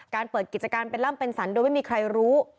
เปิดกิจการเป็นล่ำเป็นสรรโดยไม่มีใครรู้